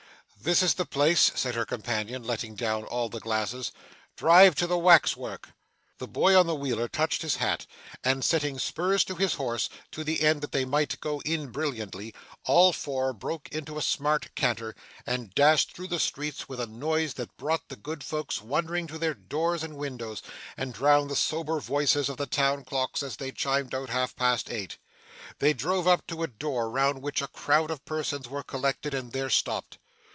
'This is the place!' cried her companion, letting down all the glasses. 'Drive to the wax work!' The boy on the wheeler touched his hat, and setting spurs to his horse, to the end that they might go in brilliantly, all four broke into a smart canter, and dashed through the streets with a noise that brought the good folks wondering to their doors and windows, and drowned the sober voices of the town clocks as they chimed out half past eight. They drove up to a door round which a crowd of persons were collected, and there stopped.